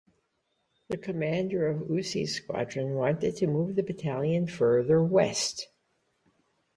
The commander of Uhse's squadron wanted to move the battalion further west.